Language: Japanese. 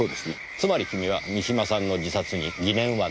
つまり君は三島さんの自殺に疑念はないと。